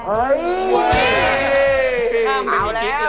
ไม่เป็นกิ๊กเลย